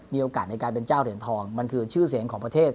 มีโอกาสในการเป็นเจ้าเหรียญทองมันคือชื่อเสียงของประเทศ